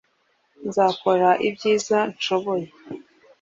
Nzakora ibyiza nshoboye